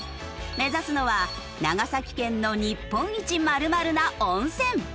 目指すのは長崎県の日本一○○な温泉。